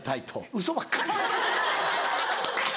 ウソばっかり。